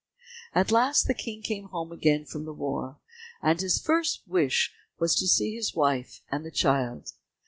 At last the King came home again from the war, and his first wish was to see his wife and the child.